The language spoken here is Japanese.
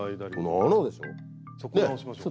そこ直しましょう。